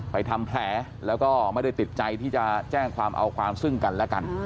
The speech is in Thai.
ทำแผลแล้วก็ไม่ได้ติดใจที่จะแจ้งความเอาความซึ่งกันและกัน